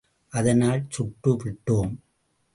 அதனால் சுட்டு விட்டோம்!